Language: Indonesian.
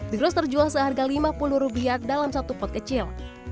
di gros terjual seharga lima puluh rupiah dalam satu pot kecil